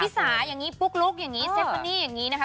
สาอย่างนี้ปุ๊กลุ๊กอย่างนี้เซฟมานี่อย่างนี้นะคะ